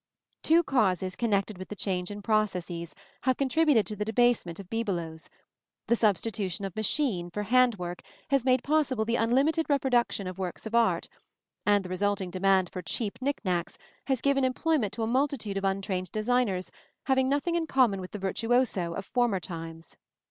Two causes connected with the change in processes have contributed to the debasement of bibelots: the substitution of machine for hand work has made possible the unlimited reproduction of works of art; and the resulting demand for cheap knick knacks has given employment to a multitude of untrained designers having nothing in common with the virtuoso of former times.